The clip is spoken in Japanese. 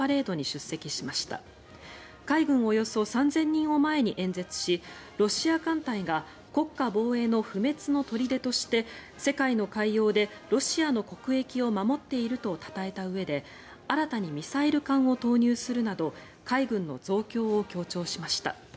およそ３０００人を前に演説しロシア艦隊が国家防衛の不滅の砦として世界の海洋でロシアの国益を守っているとたたえたうえで新たにミサイル艦を投入するなど海軍の増強を強調しました。